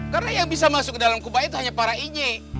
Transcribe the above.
karena yang bisa masuk ke dalam kumain itu hanya para inye